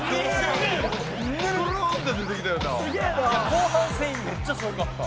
後半戦めっちゃすごかった。